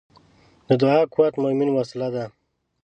د دعا قوت د مؤمن وسله ده.